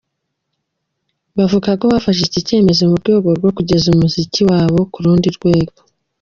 Bavuze ko bafashe iki cyemezo mu rwego rwo kugeza umuziki wabo ku rundi rwego.